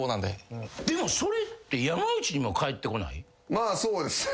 まあそうですね